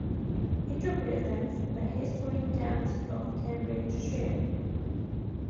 It represents the historic county of Cambridgeshire.